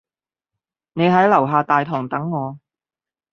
你喺樓下大堂等我